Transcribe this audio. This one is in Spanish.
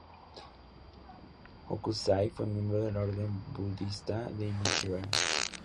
Hokusai fue miembro de la orden budista de Nichiren.